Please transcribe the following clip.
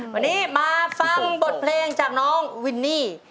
วันนี้มาฟังบทเพลงจากน้องวินนี่